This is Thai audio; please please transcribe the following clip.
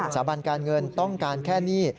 สาบันการเงินต้องการแค่หนี้